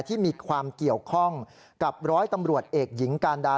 ที่มีความเกี่ยวข้องกับร้อยตำรวจเอกหญิงการดา